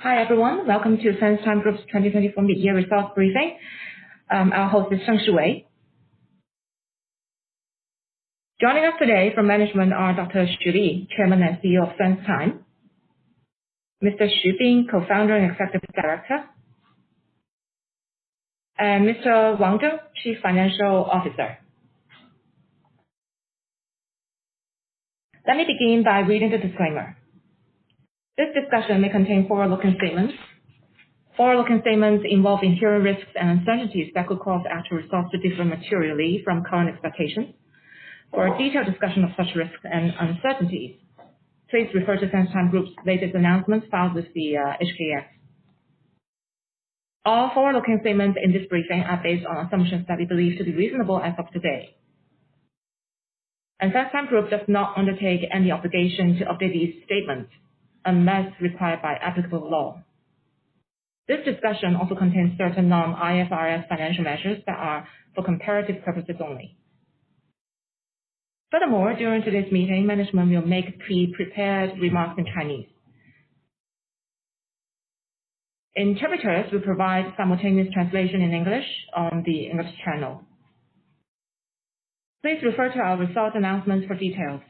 Hi, everyone. Welcome to SenseTime Group's 2024 mid-year results briefing. Our host is Shen Xuwei. Joining us today from management are Dr. Xu Li, Chairman and CEO of SenseTime, Mr. Xu Bing, Co-founder and Executive Director, and Mr. Wang Zheng, Chief Financial Officer. Let me begin by reading the disclaimer. This discussion may contain forward-looking statements. Forward-looking statements involve inherent risks and uncertainties that could cause actual results to differ materially from current expectations. For a detailed discussion of such risks and uncertainties, please refer to SenseTime Group's latest announcements filed with the HKEX. All forward-looking statements in this briefing are based on assumptions that we believe to be reasonable as of today. SenseTime Group does not undertake any obligation to update these statements unless required by applicable law. This discussion also contains certain non-IFRS financial measures that are for comparative purposes only. Furthermore, during today's meeting, management will make pre-prepared remarks in Chinese. Interpreters will provide simultaneous translation in English on the English channel. Please refer to our results announcement for details.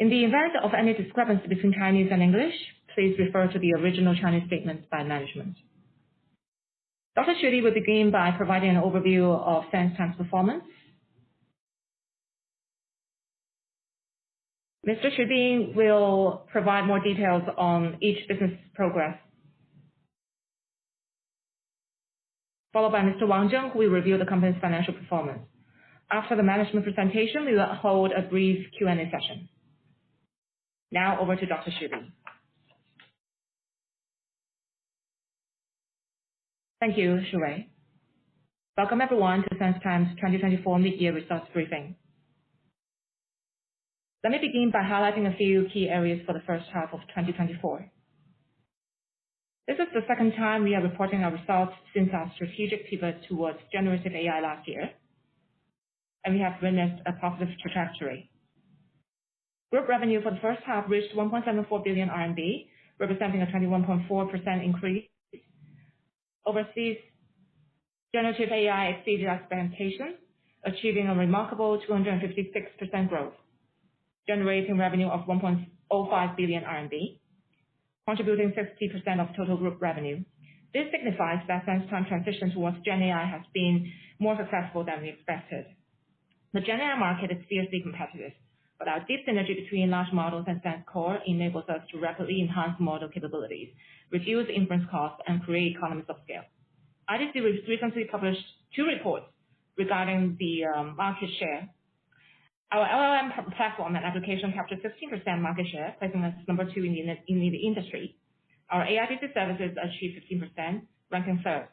In the event of any discrepancy between Chinese and English, please refer to the original Chinese statements by management. Dr. Xu Li will begin by providing an overview of SenseTime's performance. Mr. Xu Bing will provide more details on each business progress, followed by Mr. Wang Zheng, who will review the company's financial performance. After the management presentation, we will hold a brief Q&A session. Now over to Dr. Xu Li. Thank you, Xu Wei. Welcome, everyone, to SenseTime's 2024 mid-year results briefing. Let me begin by highlighting a few key areas for the first half of 2024. This is the second time we are reporting our results since our strategic pivot towards generative AI last year, and we have witnessed a positive trajectory. Group revenue for the first half reached 1.74 billion RMB, representing a 21.4% increase. Overseas generative AI exceeded expectations, achieving a remarkable 256% growth, generating revenue of 1.05 billion RMB, contributing 60% of total group revenue. This signifies that SenseTime transition towards Gen AI has been more successful than we expected. The Gen AI market is fiercely competitive, but our deep synergy between large models and SenseCore enables us to rapidly enhance model capabilities, reduce inference costs, and create economies of scale. IDC has recently published two reports regarding the market share. Our LLM platform and application captured 15% market share, placing us number two in the industry. Our AI business services achieved 15%, ranking third.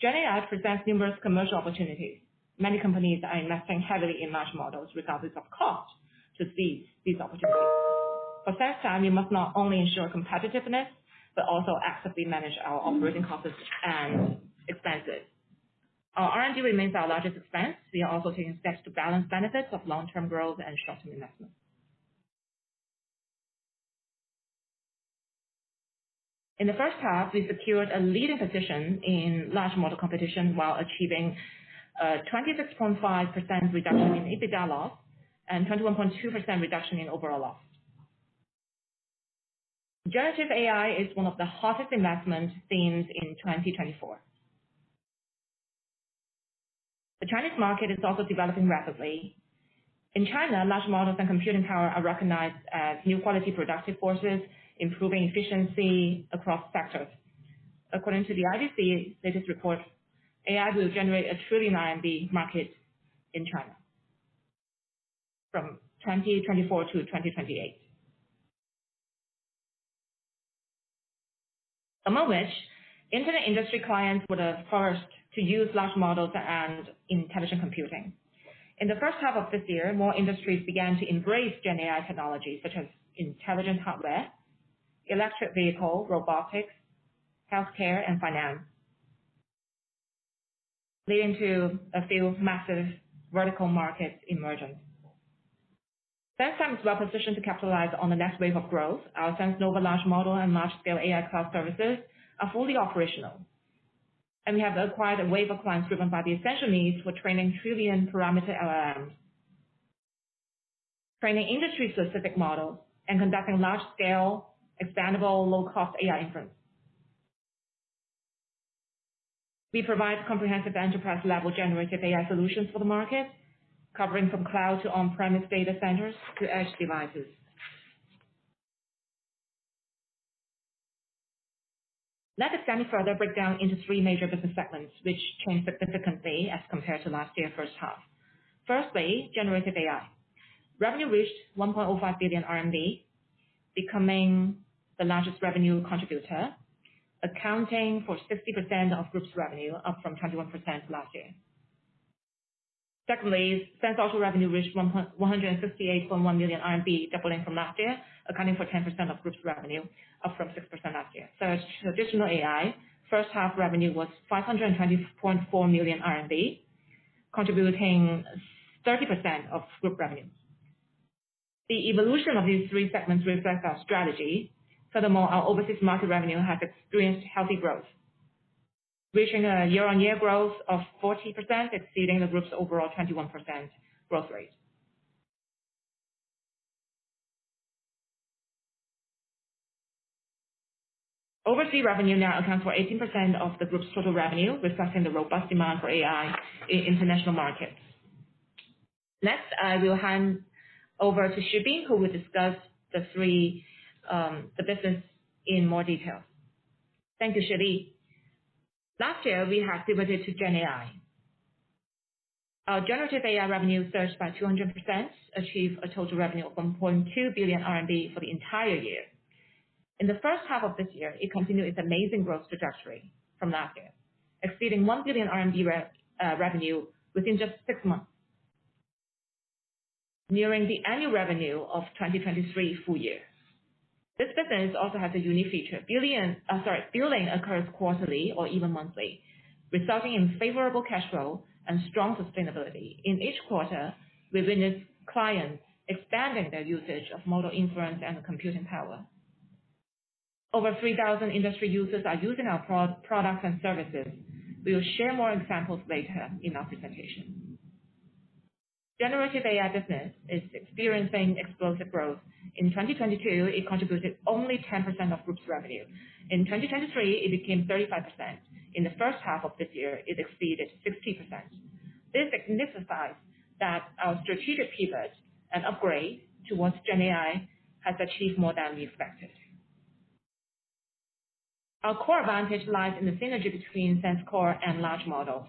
Gen AI presents numerous commercial opportunities. Many companies are investing heavily in large models, regardless of cost, to seize these opportunities. For first time, we must not only ensure competitiveness, but also actively manage our operating costs and expenses. Our R&D remains our largest expense. We are also taking steps to balance benefits of long-term growth and short-term investment. In the first half, we secured a leading position in large model competition while achieving 26.5% reduction in EBITDA loss and 21.2% reduction in overall loss. Generative AI is one of the hottest investment themes in 2024. The Chinese market is also developing rapidly. In China, large models and computing power are recognized as new quality productive forces, improving efficiency across sectors. According to the IDC latest report, AI will generate a 1 trillion RMB market in China from 2024 to 2028. Among which, internet industry clients were the first to use large models and intelligent computing. In the first half of this year, more industries began to embrace Gen AI technologies such as intelligent hardware, electric vehicle, robotics, healthcare, and finance, leading to a few massive vertical markets emergence. SenseTime is well positioned to capitalize on the next wave of growth. Our SenseNova large model and large scale AI cloud services are fully operational, and we have acquired a wave of clients driven by the essential needs for training trillion-parameter LLMs, training industry-specific models, and conducting large-scale, expandable, low-cost AI inference. We provide comprehensive enterprise-level generative AI solutions for the market, covering from cloud to on-premise data centers to edge devices. Let us then further break down into three major business segments, which changed significantly as compared to last year, first half. Firstly, generative AI. Revenue reached 1.05 billion RMB, becoming the largest revenue contributor, accounting for 60% of group's revenue, up from 21% last year. Secondly, SenseAuto revenue reached 158.1 million RMB, doubling from last year, accounting for 10% of group's revenue, up from 6% last year. Third, traditional AI. First half revenue was 520.4 million RMB, contributing 30% of group revenue. The evolution of these three segments reflects our strategy. Furthermore, our overseas market revenue has experienced healthy growth, reaching a year-on-year growth of 40%, exceeding the group's overall 21% growth rate. Overseas revenue now accounts for 18% of the group's total revenue, reflecting the robust demand for AI in international markets. Next, I will hand over to Xu Bing, who will discuss the three, the business in more detail. Thank you, Xu Li. Last year, we have pivoted to GenAI. Our generative AI revenue surged by 200%, achieved a total revenue of 1.2 billion RMB for the entire year. In the first half of this year, it continued its amazing growth trajectory from last year, exceeding 1 billion RMB revenue within just six months, nearing the annual revenue of 2023 full year. This business also has a unique feature. Billing occurs quarterly or even monthly, resulting in favorable cash flow and strong sustainability. In each quarter, we've witnessed clients expanding their usage of model inference and computing power. Over 3,000 industry users are using our products and services. We will share more examples later in our presentation. Generative AI business is experiencing explosive growth. In 2022, it contributed only 10% of group's revenue. In 2023, it became 35%. In the first half of this year, it exceeded 60%. This signifies that our strategic pivot and upgrade towards GenAI has achieved more than we expected. Our core advantage lies in the synergy between SenseCore and large models.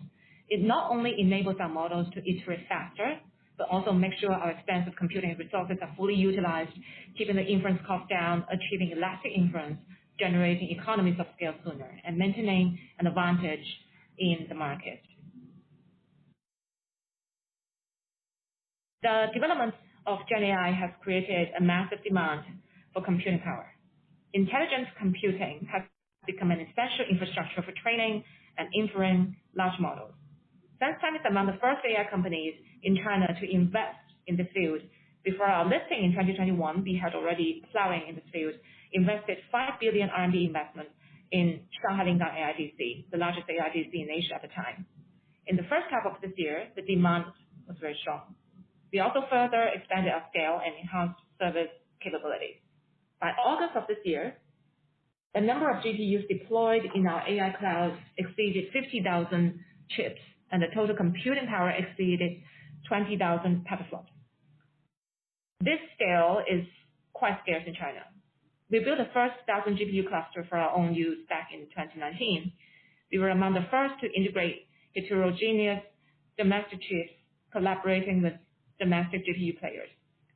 It not only enables our models to iterate faster, but also makes sure our expensive computing resources are fully utilized, keeping the inference cost down, achieving elastic inference, generating economies of scale sooner, and maintaining an advantage in the market. The development of GenAI has created a massive demand for computing power. Intelligent computing has become an essential infrastructure for training and inferencing large models. SenseTime is among the first AI companies in China to invest in the field. Before our listing in 2021, we had already plowing in the field, invested 5 billion R&D investment in Shanghai Lingang AIDC, the largest AIDC in Asia at the time. In the first half of this year, the demand was very strong. We also further expanded our scale and enhanced service capabilities. By August of this year, the number of GPUs deployed in our AI cloud exceeded 50,000 chips, and the total computing power exceeded 20,000 petaflops. This scale is quite scarce in China. We built the first 1,000-GPU cluster for our own use back in 2019. We were among the first to integrate heterogeneous domestic chips, collaborating with domestic GPU players.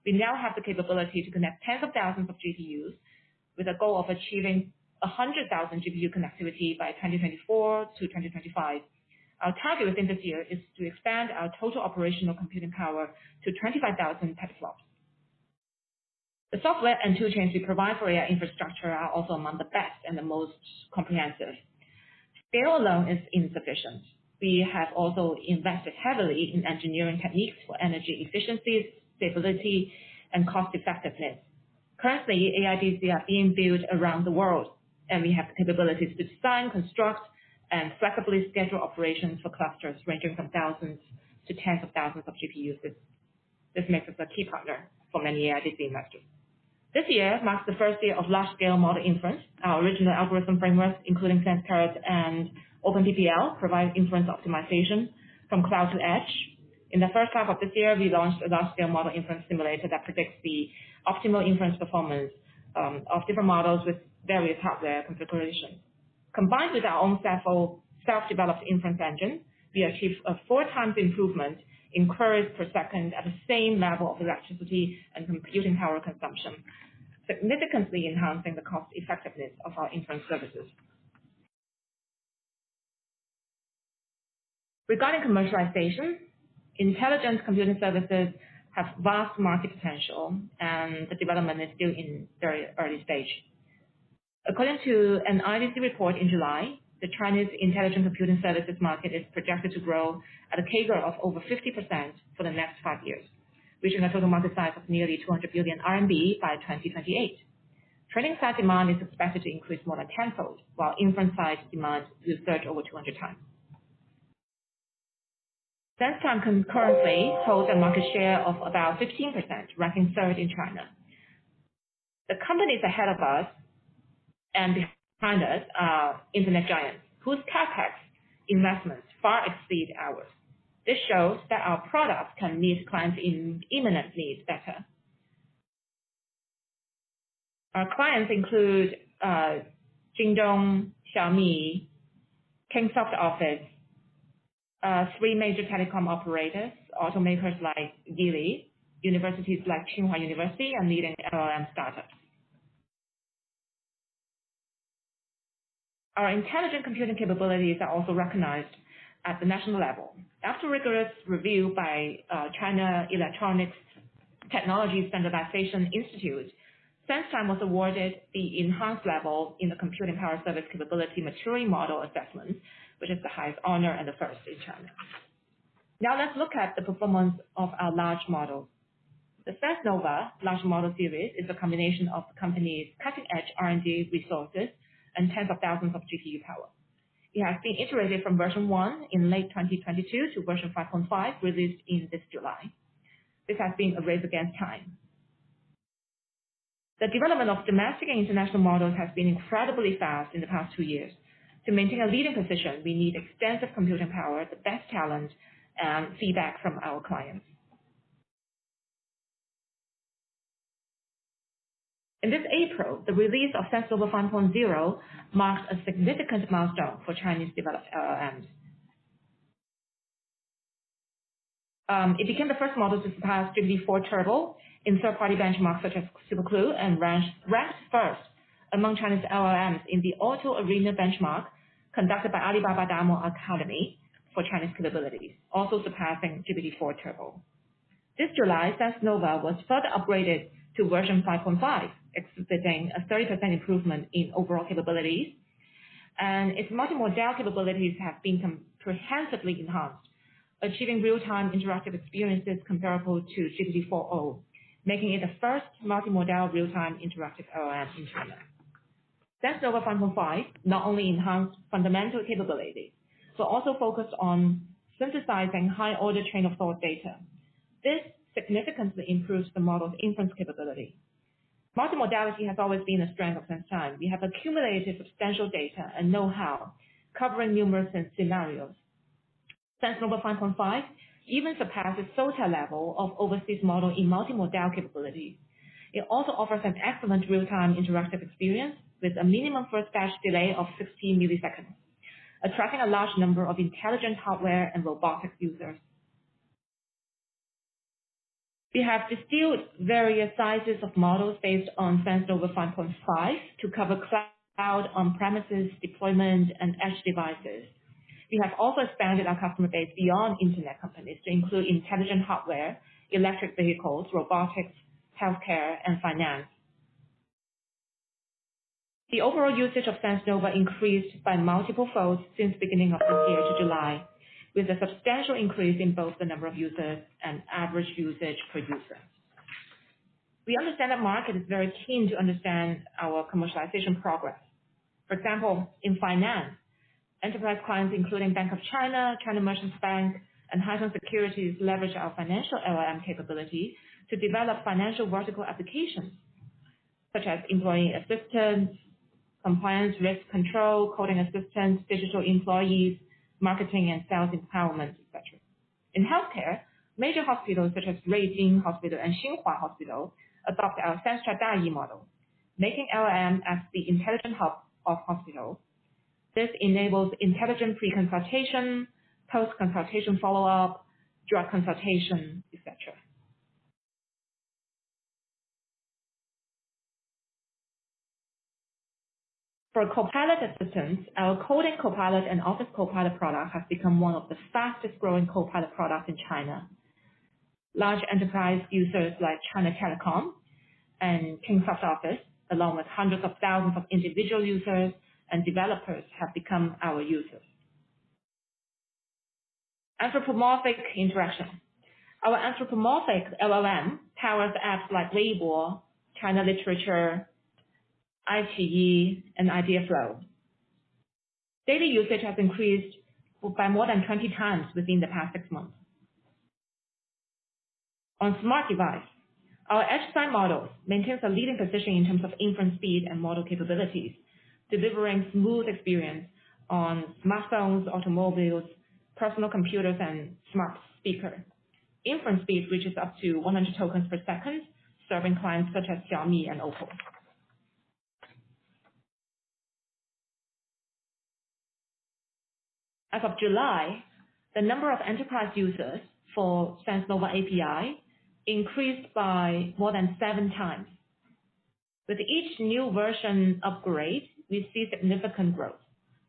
We now have the capability to connect tens of thousands of GPUs with a goal of achieving 100,000-GPU connectivity by 2024 to 2025. Our target within this year is to expand our total operational computing power to 25,000 petaflops. The software and toolchains we provide for AI infrastructure are also among the best and the most comprehensive. Scale alone is insufficient. We have also invested heavily in engineering techniques for energy efficiency, stability, and cost effectiveness. Currently, AIDC are being built around the world, and we have the capabilities to design, construct, and flexibly schedule operations for clusters ranging from thousands to tens of thousands of GPUs. This makes us a key partner for many AIDC investors. This year marks the first year of large-scale model inference. Our original algorithm frameworks, including SenseCarve and OpenPPL, provide inference optimization from cloud to edge. In the first half of this year, we launched a large-scale model inference simulator that predicts the optimal inference performance of different models with various hardware configurations. Combined with our own self-developed inference engine, we achieved a four times improvement in queries per second at the same level of electricity and computing power consumption, significantly enhancing the cost effectiveness of our inference services. Regarding commercialization, intelligent computing services have vast market potential, and the development is still in very early stage. According to an IDC report in July, the Chinese intelligent computing services market is projected to grow at a CAGR of over 50% for the next five years, reaching a total market size of nearly 200 billion RMB by 2028. Training size demand is expected to increase more than tenfold, while inference size demand will surge over 200x. SenseTime concurrently holds a market share of about 15%, ranking third in China. The companies ahead of us and behind us are internet giants, whose CapEx investments far exceed ours. This shows that our products can meet clients' imminent needs better. Our clients include Jingdong, Xiaomi, Kingsoft Office, three major telecom operators, automakers like Geely, universities like Tsinghua University, and leading LLM startups. Our intelligent computing capabilities are also recognized at the national level. After rigorous review by China Electronics Technology Standardization Institute. Technology Standardization Institute, SenseTime was awarded the enhanced level in the computing power service capability maturity model assessment, which is the highest honor and the first in China. Now let's look at the performance of our large model. The SenseNova large model series is a combination of the company's cutting-edge R&D resources and tens of thousands of GPU power. It has been iterated from version 1 in late 2022 to version 5.5, released in this July. This has been a race against time. The development of domestic and international models has been incredibly fast in the past two years. To maintain a leading position, we need extensive computing power, the best talent, and feedback from our clients. In this April, the release of SenseNova 5.0 marked a significant milestone for Chinese developed LLMs. It became the first model to surpass GPT-4 Turbo in third-party benchmarks such as SuperCLUE and ranked first among Chinese LLMs in the AutoArena benchmark, conducted by Alibaba DAMO Academy for Chinese capabilities, also surpassing GPT-4 Turbo. This July, SenseNova was further upgraded to version 5.5, exhibiting a 30% improvement in overall capabilities, and its multimodal capabilities have been comprehensively enhanced, achieving real-time interactive experiences comparable to GPT-4o, making it the first multimodal real-time interactive LLM in China. SenseNova 5.5 not only enhanced fundamental capabilities, but also focused on synthesizing high-order train of thought data. This significantly improves the model's inference capability. Multimodality has always been a strength of SenseTime. We have accumulated substantial data and know-how, covering numerous scenarios. SenseNova 5.5 even surpasses SOTA level of overseas model in multimodal capabilities. It also offers an excellent real-time interactive experience with a minimum first batch delay of 16 milliseconds, attracting a large number of intelligent hardware and robotic users. We have distilled various sizes of models based on SenseNova 5.5 to cover cloud, on-premises deployment, and edge devices. We have also expanded our customer base beyond internet companies to include intelligent hardware, electric vehicles, robotics, healthcare, and finance. The overall usage of SenseNova increased by multiple folds since beginning of this year to July, with a substantial increase in both the number of users and average usage per user. We understand the market is very keen to understand our commercialization progress. For example, in finance, enterprise clients including Bank of China, China Merchants Bank, and Haitong Securities, leverage our financial LLM capability to develop financial vertical applications such as employee assistance, compliance, risk control, coding assistance, digital employees, marketing and sales empowerment, et cetera. In healthcare, major hospitals such as Ruijin Hospital and Xinhua Hospital adopt our SenseDaYi model, making LLM as the intelligent hub of hospitals. This enables intelligent pre-consultation, post-consultation follow-up, drug consultation, et cetera. For copilot assistants, our coding copilot and office copilot product has become one of the fastest growing copilot products in China. Large enterprise users like China Telecom and Kingsoft Office, along with hundreds of thousands of individual users and developers, have become our users. Anthropomorphic interaction. Our anthropomorphic LLM powers apps like Weibo, China Literature, iQIYI, and IdeaFlow. Daily usage has increased by more than 20 times within the past six months. On smart device, our edge AI model maintains a leading position in terms of inference speed and model capabilities, delivering smooth experience on smartphones, automobiles, personal computers, and smart speaker. Inference speed, which is up to 100 tokens per second, serving clients such as Xiaomi and Oppo. As of July, the number of enterprise users for SenseNova API increased by more than seven times. With each new version upgrade, we see significant growth.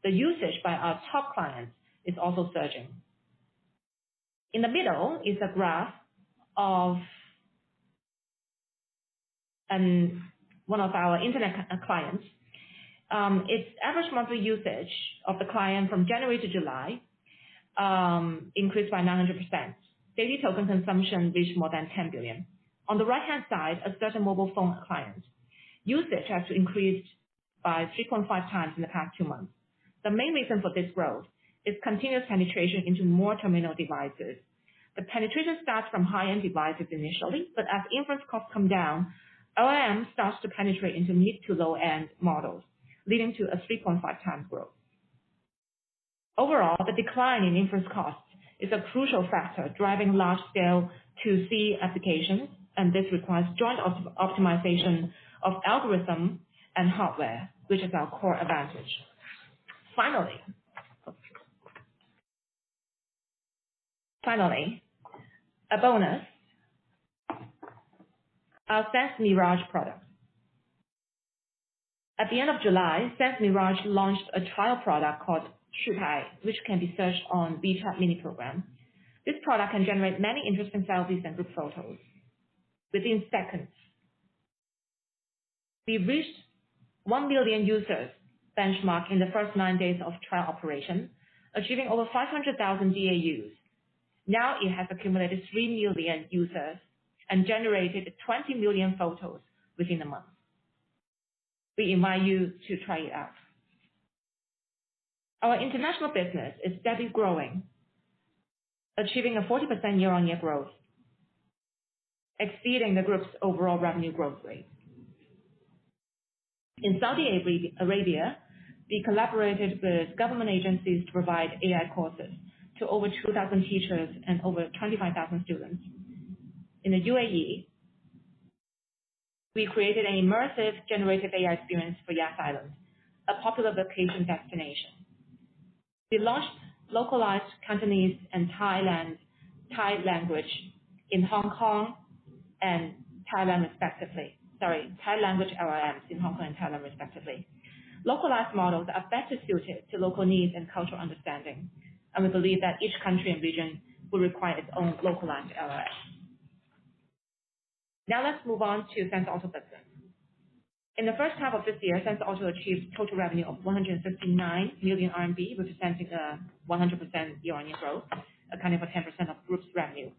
The usage by our top clients is also surging. In the middle is a graph of one of our internet clients. Its average monthly usage of the client from January to July increased by 900%. Daily token consumption reached more than 10 billion. On the right-hand side, a certain mobile phone client. Usage has increased by 3.5x in the past two months. The main reason for this growth is continuous penetration into more terminal devices. The penetration starts from high-end devices initially, but as inference costs come down, LLM starts to penetrate into mid to low-end models, leading to a 3.5x growth. Overall, the decline in inference costs is a crucial factor, driving large-scale ADAS application, and this requires joint optimization of algorithm and hardware, which is our core advantage. Finally, a bonus, our SenseMirage product. At the end of July, SenseMirage launched a trial product called Shupai, which can be searched on WeChat mini program. This product can generate many interesting selfies and group photos within seconds. We reached 1 billion users benchmark in the first nine days of trial operation, achieving over 500,000 DAUs. Now it has accumulated 3 million users and generated 20 million photos within a month. We invite you to try it out. Our international business is steadily growing, achieving a 40% year-on-year growth, exceeding the group's overall revenue growth rate. In Saudi Arabia, we collaborated with government agencies to provide AI courses to over 2,000 teachers and over 25,000 students. In the UAE, we created an immersive generative AI experience for Yas Island, a popular vacation destination. We launched localized companies in Thailand, Thai language, in Hong Kong and Thailand, respectively. Sorry, Thai language LLMs in Hong Kong and Thailand, respectively. Localized models are better suited to local needs and cultural understanding, and we believe that each country and region will require its own localized LLM. Now let's move on to SenseAuto business. In the first half of this year, SenseAuto achieved total revenue of 159 million RMB, representing a 100% year-on-year growth, accounting for 10% of group's revenue.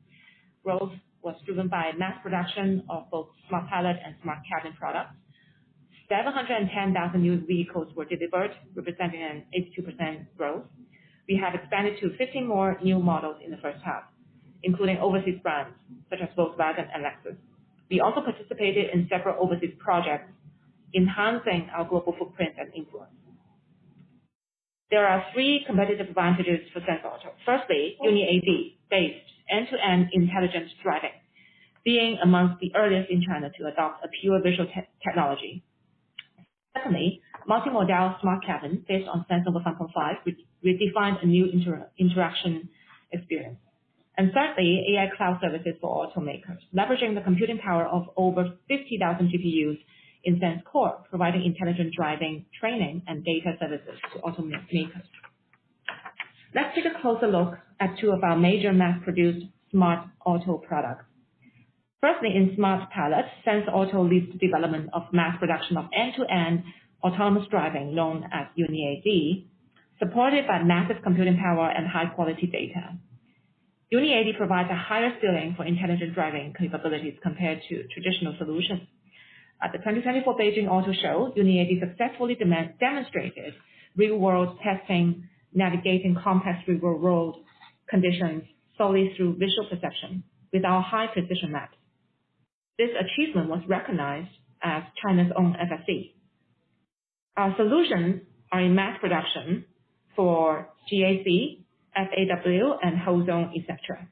Growth was driven by mass production of both Smart Pilot and Smart Cabin products. 710,000 new vehicles were delivered, representing an 82% growth. We have expanded to 15 more new models in the first half, including overseas brands such as Volkswagen and Lexus. We also participated in several overseas projects, enhancing our global footprint and influence. There are three competitive advantages for SenseAuto. Firstly, UniAD based end-to-end intelligent driving, being among the earliest in China to adopt a pure visual technology. Secondly, multimodal Smart Cabin based on SenseNova 5.5, which redefines a new interaction experience. And thirdly, AI cloud services for automakers. Leveraging the computing power of over fifty thousand GPUs in SenseCore, providing intelligent driving, training, and data services to auto makers. Let's take a closer look at two of our major mass-produced smart auto products. Firstly, in Smart Pilot, SenseAuto leads the development of mass production of end-to-end autonomous driving, known as UniAD, supported by massive computing power and high-quality data. UniAD provides a higher ceiling for intelligent driving capabilities compared to traditional solutions. At the 2024 Beijing Auto Show, UniAD successfully demonstrated real-world testing, navigating complex real-world conditions solely through visual perception with our high-precision maps. This achievement was recognized as China's own FSD. Our solutions are in mass production for GAC, FAW, and Hozon, et cetera.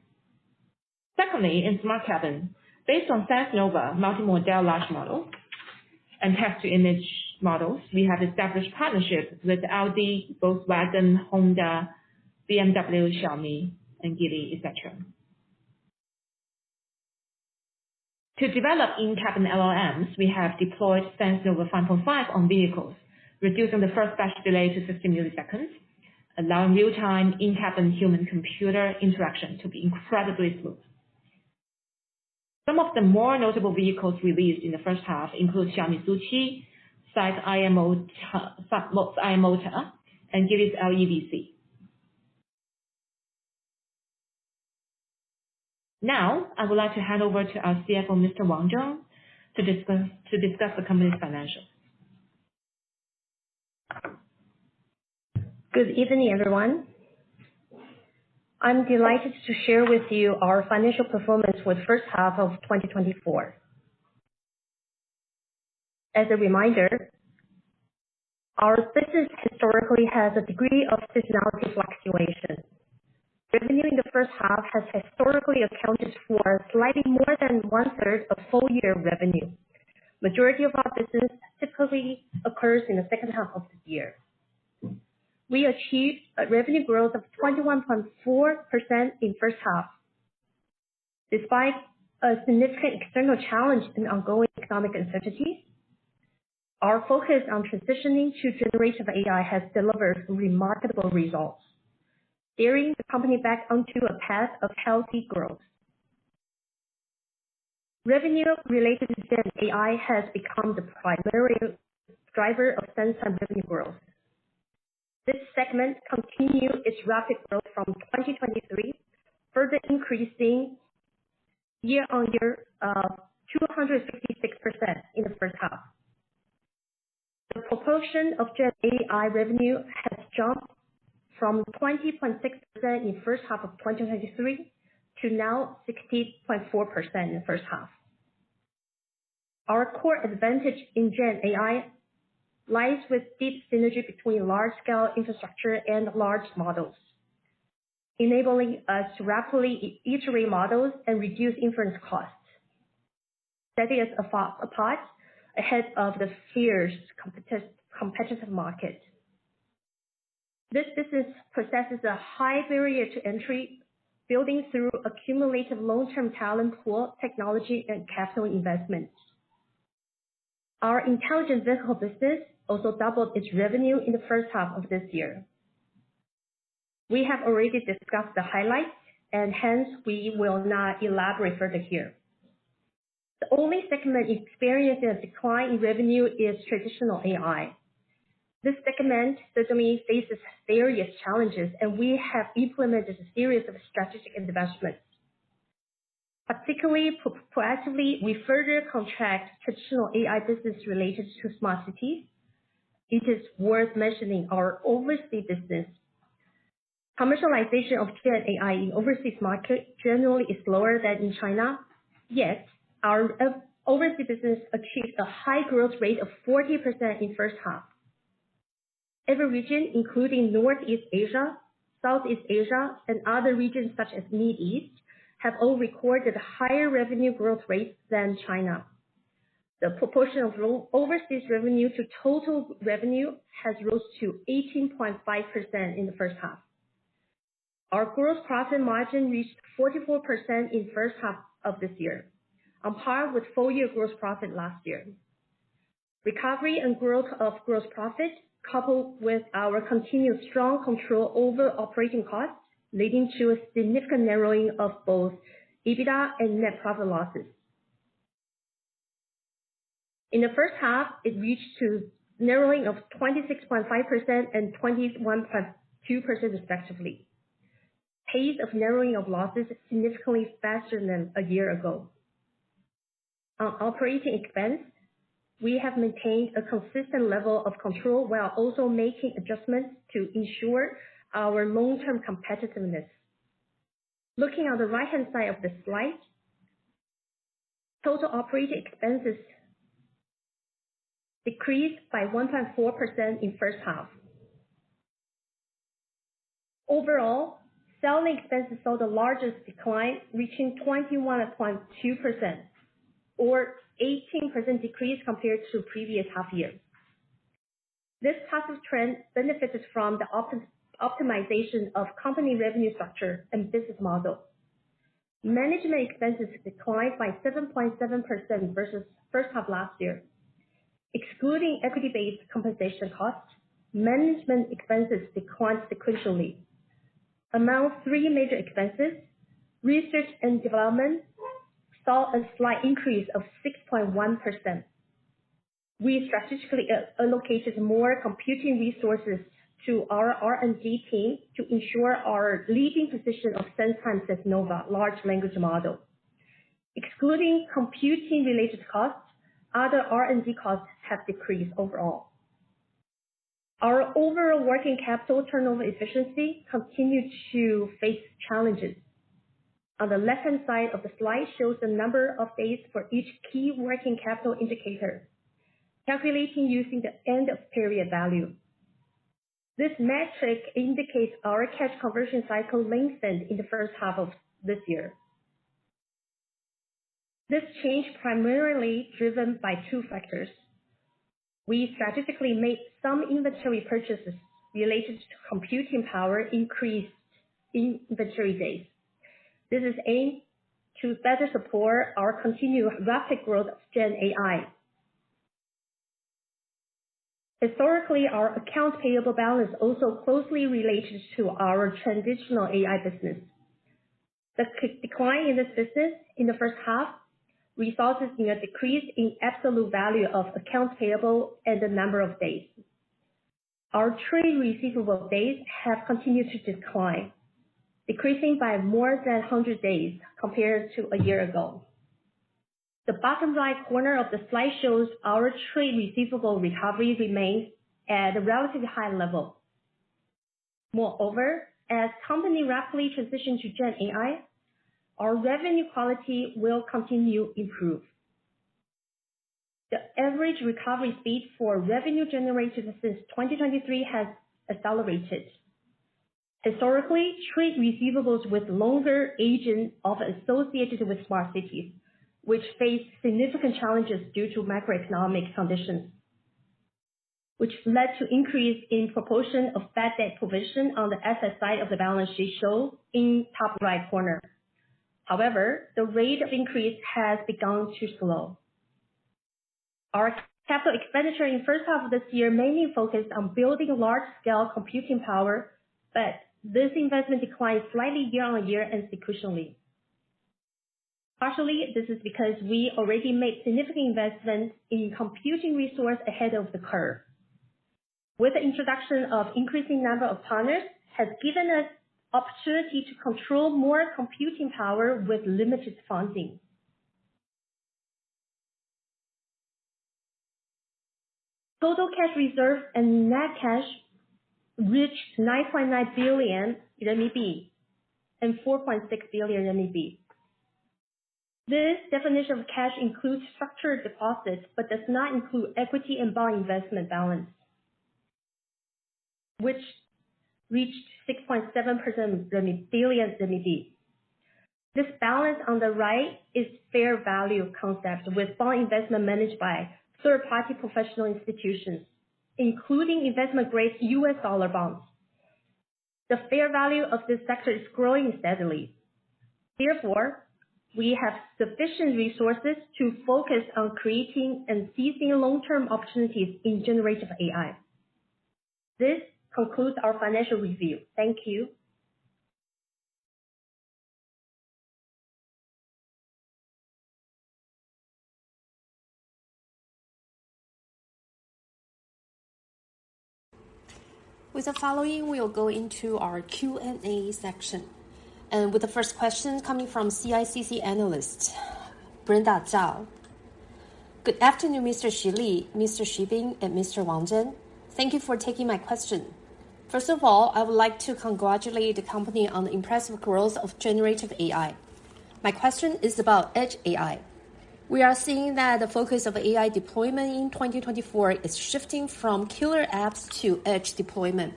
Secondly, in Smart Cabin, based on SenseNova Multimodal Large Model and text-to-image models, we have established partnerships with Audi, Volkswagen, Honda, BMW, Xiaomi, and Geely, et cetera. To develop in-cabin LLMs, we have deployed SenseNova 5.5 on vehicles, reducing the first batch delay to 50 milliseconds, allowing real-time in-cabin human computer interaction to be incredibly smooth. Some of the more notable vehicles released in the first half include Xiaomi SU7, IM Motors, and Geely's LEVC. Now, I would like to hand over to our CFO, Mr. Wang Zheng, to discuss the company's financials. Good evening, everyone. I'm delighted to share with you our financial performance for the first half of 2024. As a reminder, our business historically has a degree of seasonality fluctuation. Revenue in the first half has historically accounted for slightly more than one-third of full year revenue. Majority of our business typically occurs in the second half of the year. We achieved a revenue growth of 21.4% in first half. Despite a significant external challenge and ongoing economic uncertainty, our focus on transitioning to generative AI has delivered remarkable results, steering the company back onto a path of healthy growth. Revenue related to Gen AI has become the primary driver of SenseTime revenue growth. This segment continued its rapid growth from twenty twenty-three, further increasing year on year, 266% in the first half. The proportion of Gen AI revenue has jumped from 20.6% in the first half of 2023, to now 60.4% in the first half. Our core advantage in Gen AI lies with deep synergy between large scale infrastructure and large models, enabling us to rapidly iterate models and reduce inference costs. That is far ahead of the fierce competitive market. This business possesses a high barrier to entry, building through accumulated long-term talent pool, technology, and capital investment. Our intelligent vehicle business also doubled its revenue in the first half of this year. We have already discussed the highlights, and hence, we will not elaborate further here. The only segment experiencing a decline in revenue is traditional AI. This segment certainly faces various challenges, and we have implemented a series of strategic investments. Particularly, proactively, we further contract traditional AI business related to smart cities. It is worth mentioning our overseas business. Commercialization of GenAI in overseas market generally is lower than in China, yet our overseas business achieved a high growth rate of 40% in first half. Every region, including Northeast Asia, Southeast Asia, and other regions such as Middle East, have all recorded higher revenue growth rates than China. The proportion of overseas revenue to total revenue has rose to 18.5% in the first half. Our gross profit margin reached 44% in first half of this year, on par with full year gross profit last year. Recovery and growth of gross profit, coupled with our continued strong control over operating costs, leading to a significant narrowing of both EBITDA and net profit losses. In the first half, it reached to narrowing of 26.5% and 21.2% respectively. Pace of narrowing of losses is significantly faster than a year ago. On operating expense, we have maintained a consistent level of control while also making adjustments to ensure our long-term competitiveness. Looking on the right-hand side of the slide, total operating expenses decreased by 1.4% in first half. Overall, selling expenses saw the largest decline, reaching 21.2% or 18% decrease compared to previous half year. This positive trend benefits from the optimization of company revenue structure and business model. Management expenses declined by 7.7% versus first half last year. Excluding equity-based compensation costs, management expenses declined sequentially. Among three major expenses, research and development saw a slight increase of 6.1%. We strategically allocated more computing resources to our R&D team to ensure our leading position of ten times as SenseNova large language model. Excluding computing-related costs, other R&D costs have decreased overall. Our overall working capital turnover efficiency continued to face challenges. On the left-hand side of the slide shows the number of days for each key working capital indicator, calculating using the end of period value. This metric indicates our cash conversion cycle lengthened in the first half of this year. This change primarily driven by two factors. We strategically made some inventory purchases related to computing power increased inventory days. This is aimed to better support our continued rapid growth of GenAI. Historically, our accounts payable balance also closely related to our traditional AI business. The decline in this business in the first half resulted in a decrease in absolute value of accounts payable and the number of days. Our trade receivable days have continued to decline, decreasing by more than 100 days compared to a year ago. The bottom right corner of the slide shows our trade receivable recovery remains at a relatively high level. Moreover, as company rapidly transitions to GenAI, our revenue quality will continue improve. The average recovery speed for revenue generated since 2023 has accelerated. Historically, trade receivables with longer aging are associated with smart cities, which face significant challenges due to macroeconomic conditions, which led to increase in proportion of bad debt provision on the asset side of the balance sheet shown in top right corner. However, the rate of increase has begun to slow. Our capital expenditure in first half of this year mainly focused on building large-scale computing power, but this investment declined slightly year on year and sequentially. Partially, this is because we already made significant investments in computing resource ahead of the curve. With the introduction of increasing number of partners, has given us opportunity to control more computing power with limited funding. Total cash reserves and net cash reached 9.9 billion RMB and 4.6 billion RMB. This definition of cash includes structured deposits, but does not include equity and bond investment balance, which reached 6.7 billion. This balance on the right is fair value concept, with bond investment managed by third-party professional institutions, including investment-grade U.S. dollar bonds. The fair value of this sector is growing steadily. Therefore, we have sufficient resources to focus on creating and seizing long-term opportunities in generative AI. This concludes our financial review. Thank you. With the following, we'll go into our Q&A section, and with the first question coming from CICC analyst, Brenda Zhao. Good afternoon, Mr. Xu Li, Mr. Xu Bing, and Mr. Wang Zheng. Thank you for taking my question. First of all, I would like to congratulate the company on the impressive growth of generative AI. My question is about edge AI. We are seeing that the focus of AI deployment in 2024 is shifting from killer apps to edge deployment.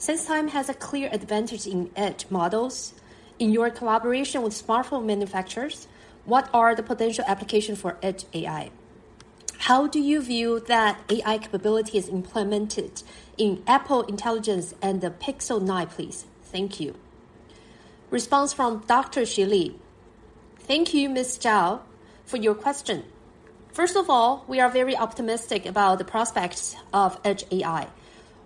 SenseTime has a clear advantage in edge models, in your collaboration with smartphone manufacturers, what are the potential applications for edge AI? How do you view that AI capability is implemented in Apple Intelligence and the Pixel 9, please? Thank you. Response from Dr. Xu Li: Thank you, Ms. Zhao, for your question. First of all, we are very optimistic about the prospects of edge AI.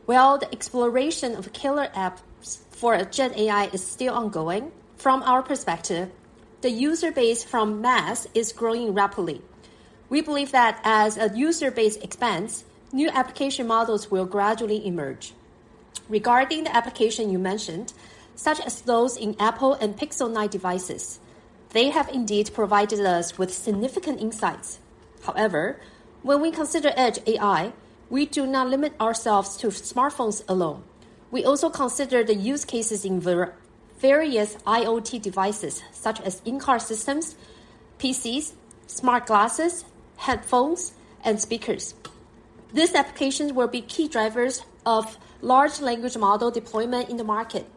While the exploration of killer apps for Gen AI is still ongoing, from our perspective, the user base from mass is growing rapidly. We believe that as a user base expands, new application models will gradually emerge. Regarding the application you mentioned, such as those in Apple and Pixel 9 devices, they have indeed provided us with significant insights. However, when we consider edge AI, we do not limit ourselves to smartphones alone. We also consider the use cases in various IoT devices, such as in-car systems, PCs, smart glasses, headphones, and speakers. These applications will be key drivers of large language model deployment in the market,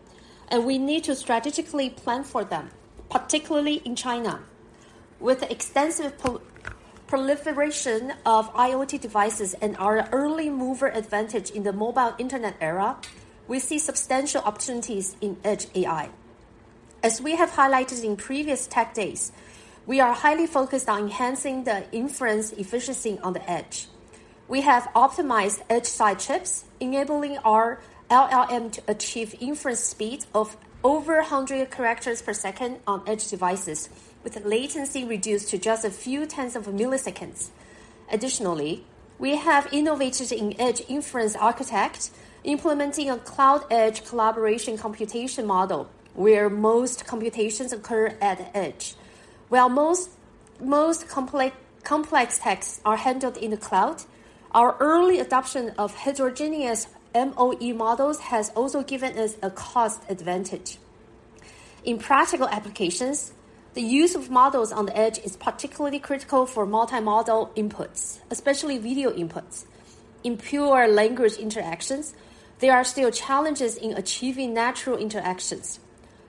and we need to strategically plan for them, particularly in China. With the extensive proliferation of IoT devices and our early mover advantage in the mobile internet era, we see substantial opportunities in edge AI. As we have highlighted in previous tech days, we are highly focused on enhancing the inference efficiency on the edge. We have optimized edge side chips, enabling our LLM to achieve inference speeds of over one hundred characters per second on edge devices, with the latency reduced to just a few tens of milliseconds. Additionally, we have innovated in edge inference architecture, implementing a cloud edge collaboration computation model, where most computations occur at the edge. While most complex tasks are handled in the cloud, our early adoption of heterogeneous MoE models has also given us a cost advantage. In practical applications, the use of models on the edge is particularly critical for multi-model inputs, especially video inputs. In pure language interactions, there are still challenges in achieving natural interactions.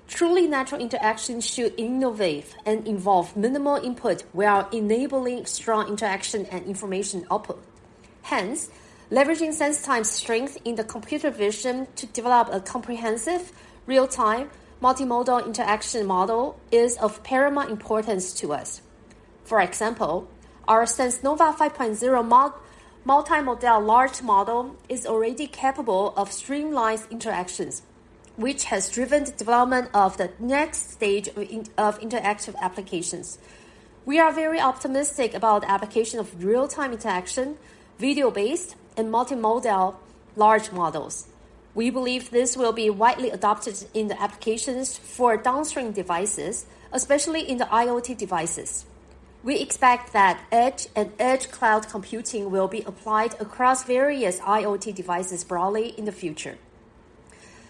Truly natural interactions should innovate and involve minimal input while enabling strong interaction and information output. Hence, leveraging SenseTime's strength in the computer vision to develop a comprehensive, real-time, multimodal interaction model is of paramount importance to us. For example, our SenseNova 5.0 multimodal large model is already capable of streamlined interactions, which has driven the development of the next stage of interactive applications. We are very optimistic about the application of real-time interaction, video-based, and multimodal large models. We believe this will be widely adopted in the applications for downstream devices, especially in the IoT devices. We expect that edge and edge cloud computing will be applied across various IoT devices broadly in the future.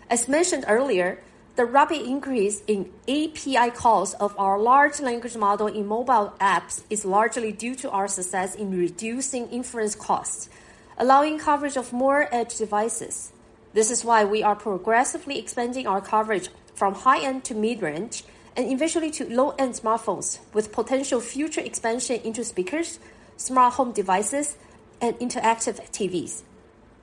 As mentioned earlier, the rapid increase in API costs of our large language model in mobile apps is largely due to our success in reducing inference costs, allowing coverage of more edge devices. This is why we are progressively expanding our coverage from high-end to mid-range, and eventually to low-end smartphones, with potential future expansion into speakers, smart home devices, and interactive TVs.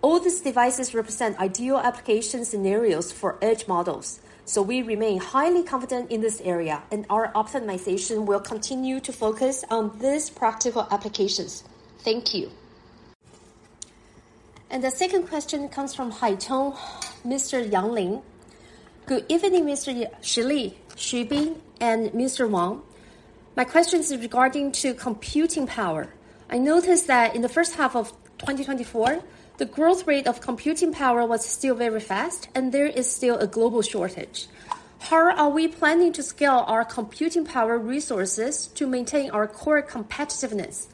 All these devices represent ideal application scenarios for edge models, so we remain highly confident in this area, and our optimization will continue to focus on these practical applications. Thank you. And the second question comes from Haitong, Mr. Yang Ling. Good evening, Mr. Xu Li, Xu Bing, and Mr. Wang. My question is regarding to computing power. I noticed that in the first half of 2024, the growth rate of computing power was still very fast, and there is still a global shortage. How are we planning to scale our computing power resources to maintain our core competitiveness?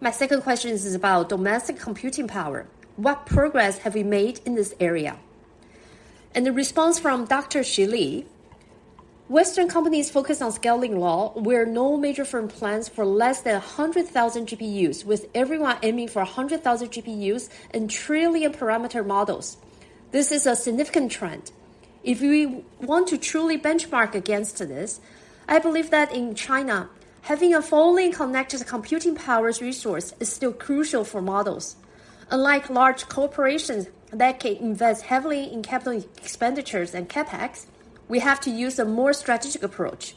My second question is about domestic computing power. What progress have we made in this area? The response from Dr. Xu Li: Western companies focus on scaling law, where no major firm plans for less than a hundred thousand GPUs, with everyone aiming for a hundred thousand GPUs and trillion-parameter models. This is a significant trend. If we want to truly benchmark against this, I believe that in China, having a fully connected computing power resource is still crucial for models. Unlike large corporations that can invest heavily in capital expenditures and CapEx, we have to use a more strategic approach.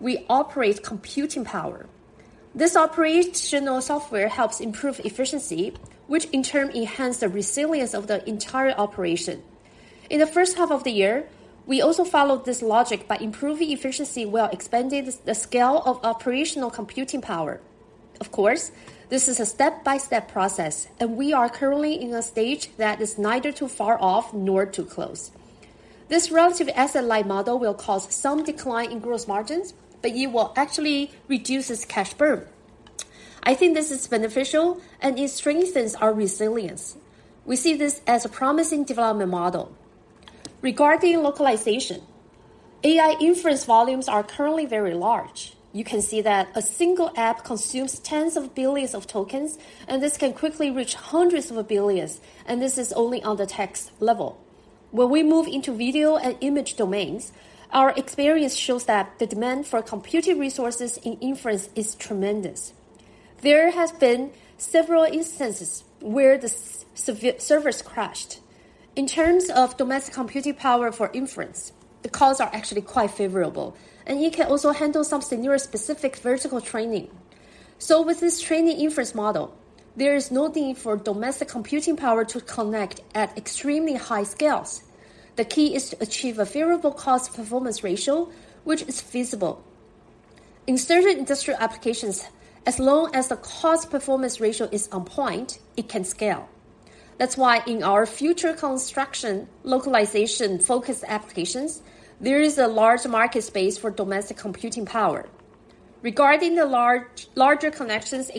We operate computing power. This operational software helps improve efficiency, which in turn enhance the resilience of the entire operation. In the first half of the year, we also followed this logic by improving efficiency while expanding the scale of operational computing power. Of course, this is a step-by-step process, and we are currently in a stage that is neither too far off nor too close. This relative asset light model will cause some decline in gross margins, but it will actually reduces cash burn. I think this is beneficial and it strengthens our resilience. We see this as a promising development model. Regarding localization, AI inference volumes are currently very large. You can see that a single app consumes tens of billions of tokens, and this can quickly reach hundreds of billions, and this is only on the text level. When we move into video and image domains, our experience shows that the demand for computing resources in inference is tremendous. There has been several instances where the servers crashed. In terms of domestic computing power for inference, the costs are actually quite favorable, and you can also handle some scenario-specific vertical training. So with this training inference model, there is no need for domestic computing power to connect at extremely high scales. The key is to achieve a favorable cost-performance ratio, which is feasible. In certain industrial applications, as long as the cost-performance ratio is on point, it can scale. That's why in our future construction localization-focused applications, there is a large market space for domestic computing power. Regarding the larger connections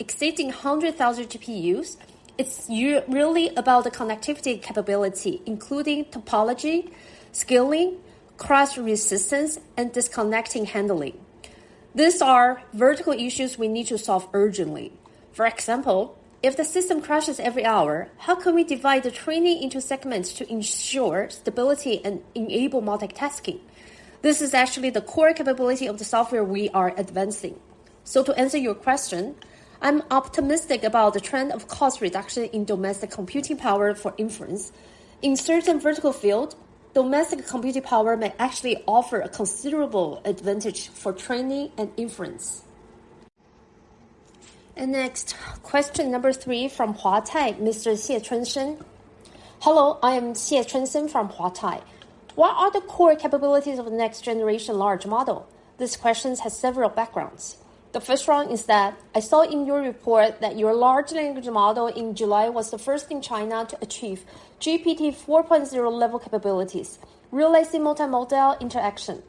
exceeding 100,000 GPUs, it's really about the connectivity capability, including topology, scaling, crash resistance, and disconnection handling. These are vertical issues we need to solve urgently. For example, if the system crashes every hour, how can we divide the training into segments to ensure stability and enable multitasking? This is actually the core capability of the software we are advancing. So to answer your question, I'm optimistic about the trend of cost reduction in domestic computing power for inference. In certain vertical field, domestic computing power may actually offer a considerable advantage for training and inference. Next, question number three from Huatai, Mr. Xie Chunsheng. "Hello, I am Xie Chunsheng from Huatai. What are the core capabilities of the next-generation large model? This question has several backgrounds The first one is that I saw in your report that your large language model in July was the first in China to achieve GPT-4.0 level capabilities, realizing multimodal interaction.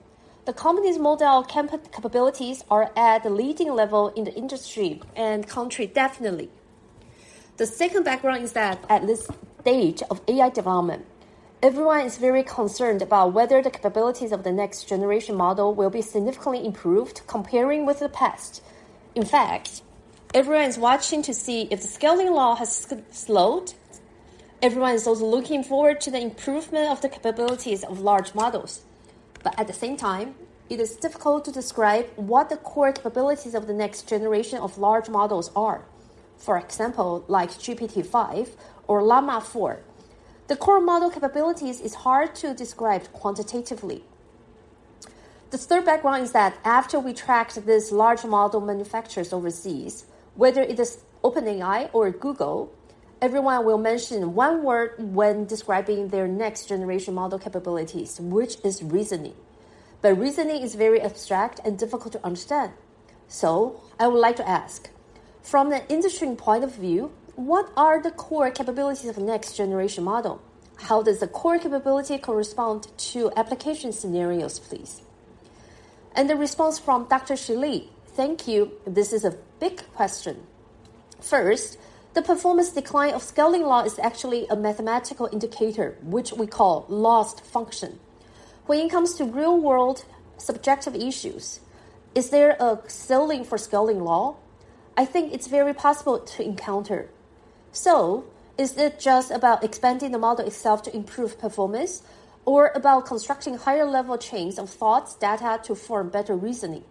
The company's model capabilities are at the leading level in the industry and country, definitely. The second background is that at this stage of AI development, everyone is very concerned about whether the capabilities of the next-generation model will be significantly improved comparing with the past. In fact, everyone is watching to see if the scaling law has slowed. Everyone is also looking forward to the improvement of the capabilities of large models. But at the same time, it is difficult to describe what the core capabilities of the next generation of large models are. For example, like GPT-5 or Llama-4, the core model capabilities is hard to describe quantitatively. The third background is that after we tracked these large model manufacturers overseas, whether it is OpenAI or Google, everyone will mention one word when describing their next-generation model capabilities, which is reasoning. But reasoning is very abstract and difficult to understand. So I would like to ask, from an industry point of view, what are the core capabilities of a next-generation model? How does the core capability correspond to application scenarios, please? The response from Dr. Xu Li: Thank you. This is a big question. First, the performance decline of scaling law is actually a mathematical indicator, which we call loss function. When it comes to real-world subjective issues, is there a ceiling for scaling law? I think it's very possible to encounter. So is it just about expanding the model itself to improve performance, or about constructing higher-level chains of thoughts, data to form better reasoning?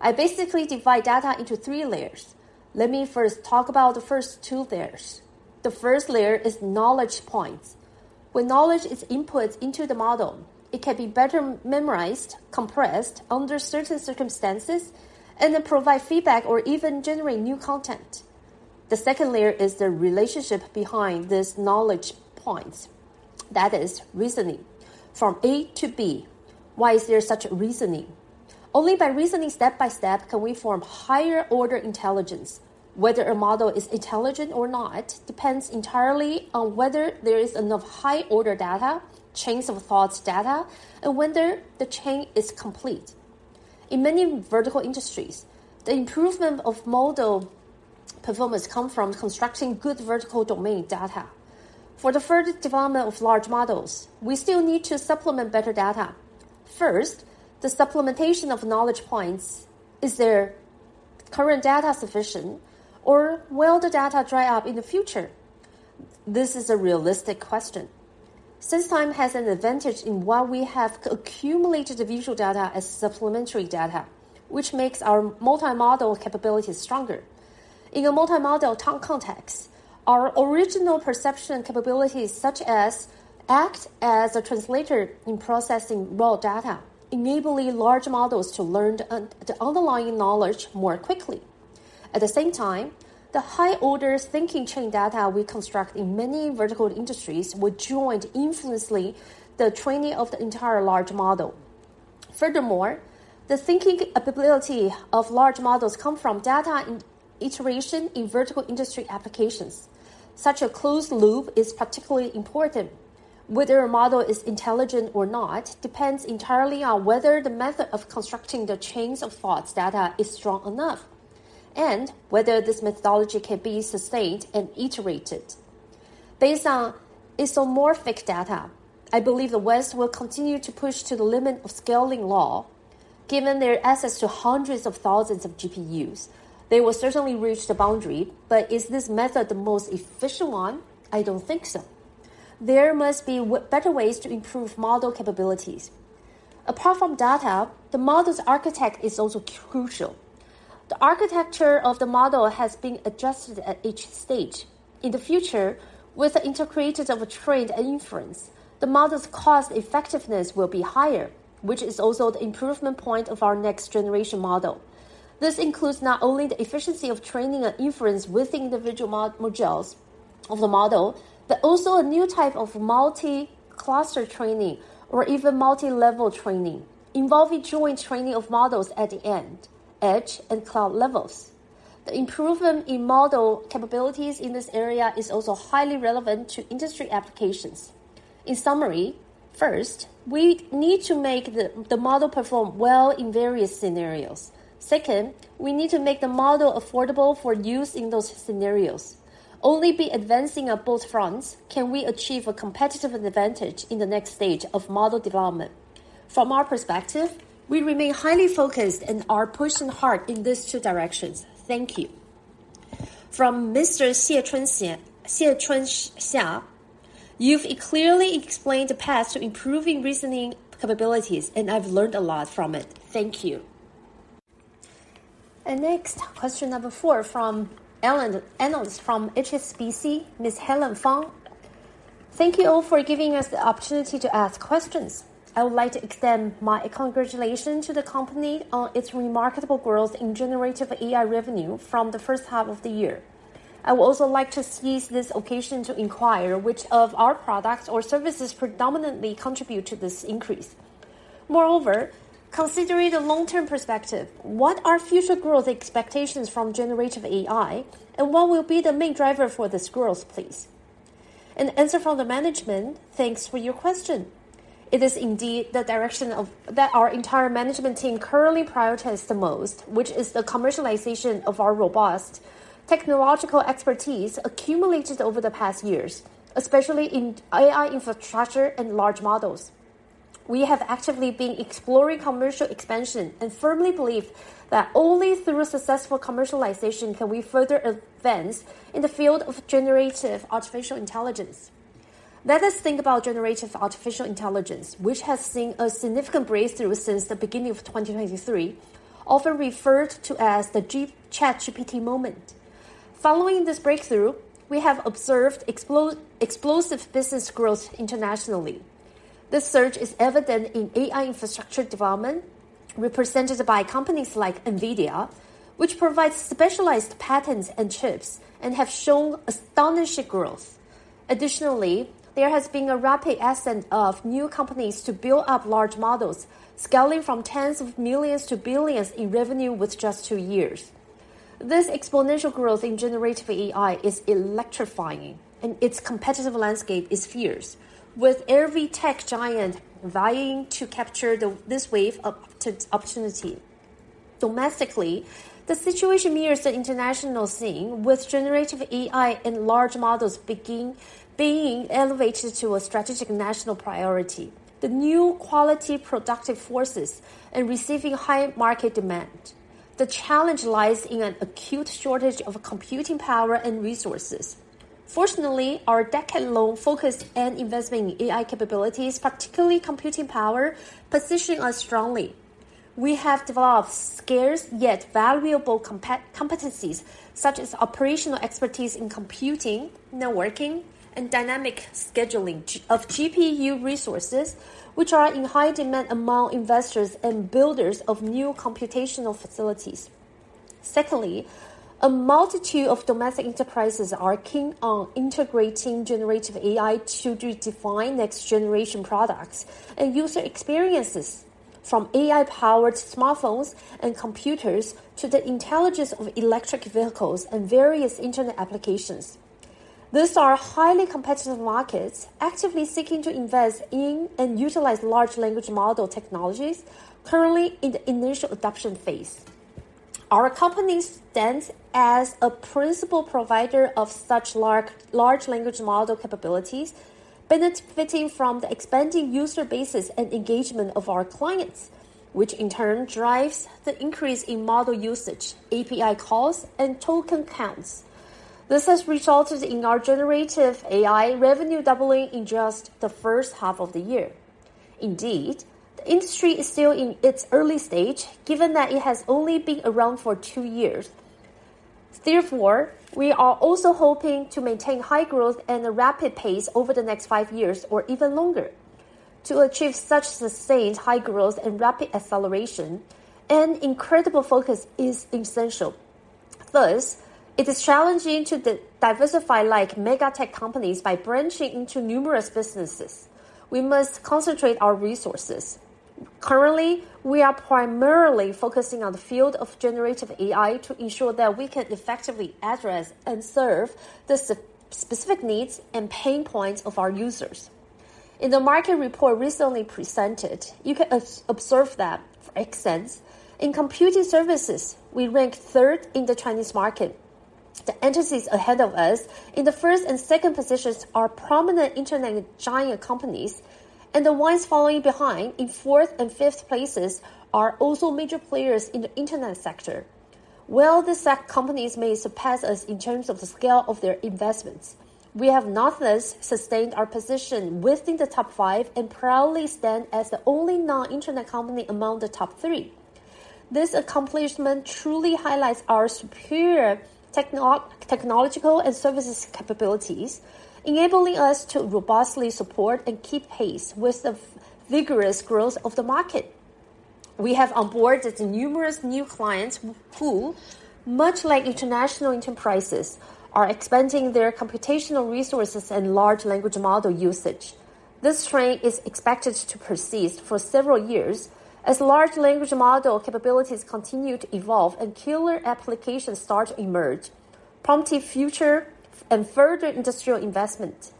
I basically divide data into three layers. Let me first talk about the first two layers. The first layer is knowledge points. When knowledge is input into the model, it can be better memorized, compressed under certain circumstances, and then provide feedback or even generate new content. The second layer is the relationship behind these knowledge points. That is reasoning from A to B. Why is there such a reasoning? Only by reasoning step by step, can we form higher-order intelligence. Whether a model is intelligent or not, depends entirely on whether there is enough high-order data, chains of thoughts data, and whether the chain is complete. In many vertical industries, the improvement of model performance come from constructing good vertical domain data. For the further development of large models, we still need to supplement better data. First, the supplementation of knowledge points is there-... Current data sufficient, or will the data dry up in the future? This is a realistic question. SenseTime has an advantage in what we have accumulated the visual data as supplementary data, which makes our multimodal capabilities stronger. In a multimodal context, our original perception capabilities, such as act as a translator in processing raw data, enabling large models to learn the underlying knowledge more quickly. At the same time, the high-order chain of thought data we construct in many vertical industries will join influentially the training of the entire large model. Furthermore, the thinking ability of large models come from data and iteration in vertical industry applications. Such a closed loop is particularly important. Whether a model is intelligent or not, depends entirely on whether the method of constructing the chain-of-thought data is strong enough, and whether this methodology can be sustained and iterated. Based on isomorphic data, I believe the West will continue to push to the limit of scaling law. Given their access to hundreds of thousands of GPUs, they will certainly reach the boundary, but is this method the most efficient one? I don't think so. There must be better ways to improve model capabilities. Apart from data, the model's architecture is also crucial. The architecture of the model has been adjusted at each stage. In the future, with the integration of trained inference, the model's cost effectiveness will be higher, which is also the improvement point of our next generation model. This includes not only the efficiency of training and inference with individual modules of the model, but also a new type of multi-cluster training or even multi-level training, involving joint training of models at the end, edge, and cloud levels. The improvement in model capabilities in this area is also highly relevant to industry applications. In summary, first, we need to make the model perform well in various scenarios. Second, we need to make the model affordable for use in those scenarios. Only by advancing on both fronts, can we achieve a competitive advantage in the next stage of model development. From our perspective, we remain highly focused and are pushing hard in these two directions. Thank you. From Mr. Xie Chunsheng: "You've clearly explained the path to improving reasoning capabilities, and I've learned a lot from it. Thank you." And next, question number four from analyst from HSBC, Ms. Helen Fong. Thank you all for giving us the opportunity to ask questions. I would like to extend my congratulations to the company on its remarkable growth in generative AI revenue from the first half of the year. I would also like to seize this occasion to inquire which of our products or services predominantly contribute to this increase. Moreover, considering the long-term perspective, what are future growth expectations from generative AI, and what will be the main driver for this growth, please? An answer from the management: Thanks for your question. It is indeed the direction that our entire management team currently prioritizes the most, which is the commercialization of our robust technological expertise accumulated over the past years, especially in AI infrastructure and large models. We have actively been exploring commercial expansion and firmly believe that only through successful commercialization can we further advance in the field of generative artificial intelligence. Let us think about generative artificial intelligence, which has seen a significant breakthrough since the beginning of 2023, often referred to as the ChatGPT moment. Following this breakthrough, we have observed explosive business growth internationally. This surge is evident in AI infrastructure development, represented by companies like NVIDIA, which provides specialized GPUs and chips and have shown astonishing growth. Additionally, there has been a rapid ascent of new companies to build up large models, scaling from tens of millions to billions in revenue with just two years. This exponential growth in generative AI is electrifying, and its competitive landscape is fierce, with every tech giant vying to capture this wave of opportunity. Domestically, the situation mirrors the international scene, with generative AI and large models being elevated to a strategic national priority, the new quality, productive forces, and receiving high market demand. The challenge lies in an acute shortage of computing power and resources. Fortunately, our decade-long focus and investment in AI capabilities, particularly computing power, position us strongly. We have developed scarce yet valuable competencies, such as operational expertise in computing, networking, and dynamic scheduling of GPU resources, which are in high demand among investors and builders of new computational facilities. Secondly, a multitude of domestic enterprises are keen on integrating generative AI to redefine next-generation products and user experiences, from AI-powered smartphones and computers to the intelligence of electric vehicles and various internet applications. These are highly competitive markets, actively seeking to invest in and utilize large language model technologies currently in the initial adoption phase. Our company stands as a principal provider of such large language model capabilities.... Benefiting from the expanding user basis and engagement of our clients, which in turn drives the increase in model usage, API calls, and token counts. This has resulted in our generative AI revenue doubling in just the first half of the year. Indeed, the industry is still in its early stage, given that it has only been around for two years. Therefore, we are also hoping to maintain high growth and a rapid pace over the next five years or even longer. To achieve such sustained high growth and rapid acceleration, an incredible focus is essential. Thus, it is challenging to diversify like mega tech companies by branching into numerous businesses. We must concentrate our resources. Currently, we are primarily focusing on the field of generative AI to ensure that we can effectively address and serve the specific needs and pain points of our users. In the market report recently presented, you can observe that, for instance, in computing services, we rank third in the Chinese market. The entities ahead of us in the first and second positions are prominent internet giant companies, and the ones following behind in fourth and fifth places are also major players in the internet sector. While these companies may surpass us in terms of the scale of their investments, we have nonetheless sustained our position within the top five and proudly stand as the only non-internet company among the top three. This accomplishment truly highlights our superior technological and services capabilities, enabling us to robustly support and keep pace with the vigorous growth of the market. We have onboarded numerous new clients who, much like international enterprises, are expanding their computational resources and large language model usage. This trend is expected to persist for several years as large language model capabilities continue to evolve and killer applications start to emerge, prompting future and further industrial investment.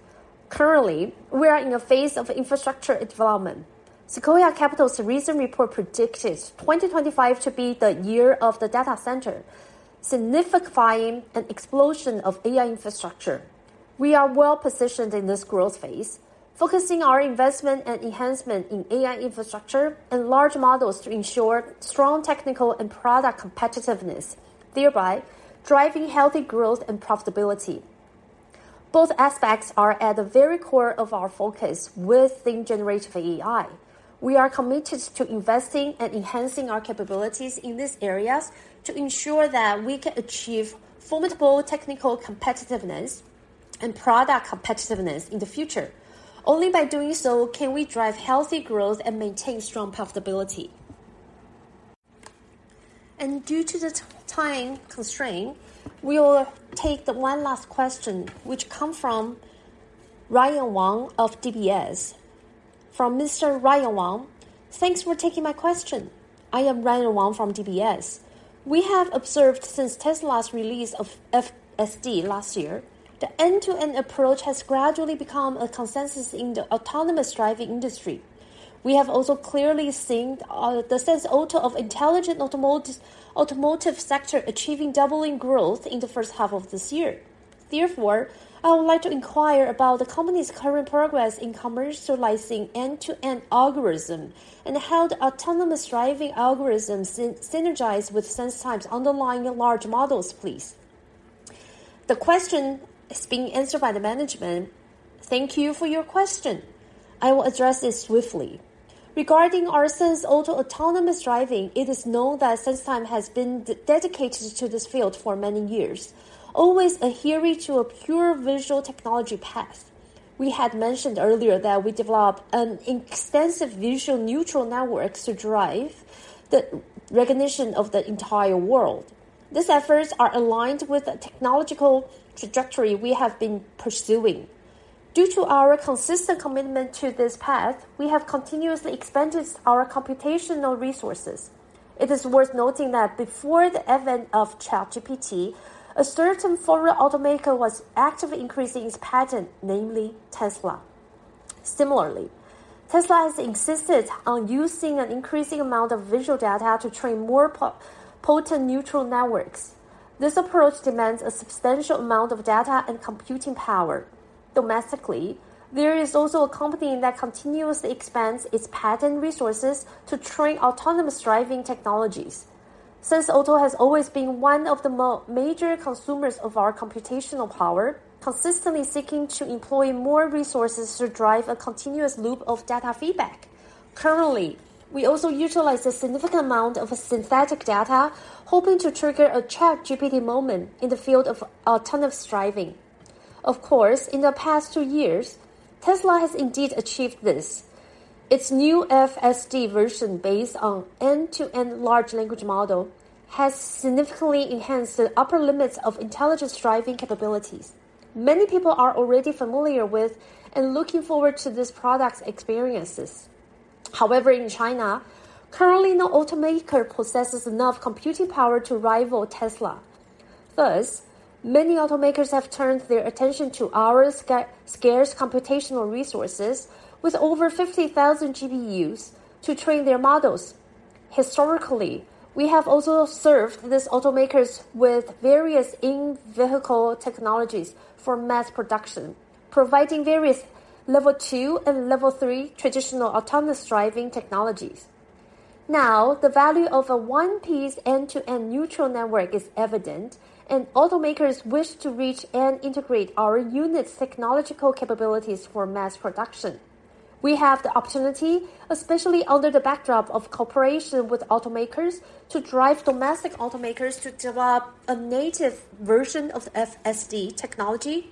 Currently, we are in a phase of infrastructure development. Sequoia Capital's recent report predicted 2025 to be the year of the data center, a significant explosion of AI infrastructure. We are well-positioned in this growth phase, focusing our investment and enhancement in AI infrastructure and large models to ensure strong technical and product competitiveness, thereby driving healthy growth and profitability. Both aspects are at the very core of our focus within generative AI. We are committed to investing and enhancing our capabilities in these areas to ensure that we can achieve formidable technical competitiveness and product competitiveness in the future. Only by doing so, can we drive healthy growth and maintain strong profitability. Due to the time constraint, we will take the one last question, which come from Ryan Wang of DBS. From Mr. Ryan Wang: "Thanks for taking my question. I am Ryan Wang from DBS. We have observed since Tesla's release of FSD last year, the end-to-end approach has gradually become a consensus in the autonomous driving industry. We have also clearly seen the SenseAuto of intelligent automotive sector achieving doubling growth in the first half of this year. Therefore, I would like to inquire about the company's current progress in commercializing end-to-end algorithm, and how the autonomous driving algorithms synergize with SenseTime's underlying large models, please?" The question is being answered by the management. Thank you for your question. I will address this swiftly. Regarding our SenseAuto autonomous driving, it is known that SenseTime has been dedicated to this field for many years, always adhering to a pure visual technology path. We had mentioned earlier that we developed an extensive visual neural network to drive the recognition of the entire world. These efforts are aligned with the technological trajectory we have been pursuing. Due to our consistent commitment to this path, we have continuously expanded our computational resources. It is worth noting that before the advent of ChatGPT, a certain foreign automaker was actively increasing its compute, namely Tesla. Similarly, Tesla has insisted on using an increasing amount of visual data to train more potent neural networks. This approach demands a substantial amount of data and computing power. Domestically, there is also a company that continuously expands its compute resources to train autonomous driving technologies. SenseAuto has always been one of the major consumers of our computational power, consistently seeking to employ more resources to drive a continuous loop of data feedback. Currently, we also utilize a significant amount of synthetic data, hoping to trigger a ChatGPT moment in the field of autonomous driving. Of course, in the past two years, Tesla has indeed achieved this. Its new FSD version, based on end-to-end large language model, has significantly enhanced the upper limits of intelligent driving capabilities. Many people are already familiar with and looking forward to this product's experiences. However, in China, currently, no automaker possesses enough computing power to rival Tesla. Thus, many automakers have turned their attention to our scarce computational resources with over 50,000 GPUs to train their models. Historically, we have also served these automakers with various in-vehicle technologies for mass production, providing various level two and level three traditional autonomous driving technologies. Now, the value of a one-piece end-to-end neural network is evident, and automakers wish to reach and integrate our UniAD's technological capabilities for mass production. We have the opportunity, especially under the backdrop of cooperation with automakers, to drive domestic automakers to develop a native version of FSD technology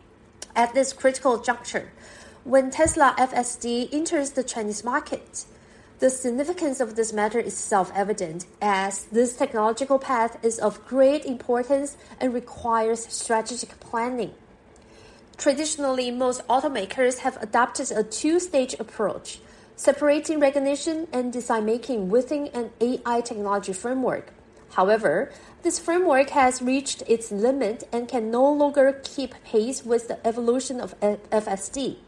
at this critical juncture, when Tesla FSD enters the Chinese market. The significance of this matter is self-evident, as this technological path is of great importance and requires strategic planning. Traditionally, most automakers have adopted a two-stage approach, separating recognition and decision-making within an AI technology framework. However, this framework has reached its limit and can no longer keep pace with the evolution of FSD.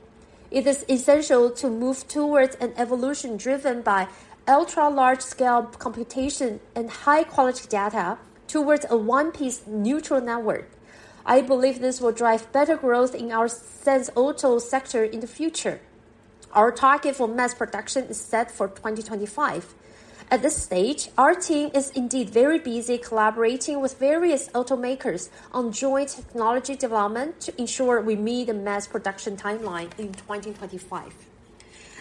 It is essential to move towards an evolution driven by ultra-large-scale computation and high-quality data towards a one-piece neural network. I believe this will drive better growth in our SenseAuto sector in the future. Our target for mass production is set for 2025. At this stage, our team is indeed very busy collaborating with various automakers on joint technology development to ensure we meet the mass production timeline in 2025.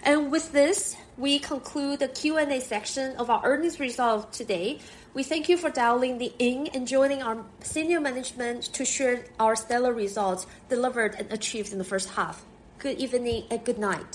And with this, we conclude the Q&A section of our earnings results today. We thank you for dialing in and joining our senior management to share our stellar results delivered and achieved in the first half. Good evening and good night!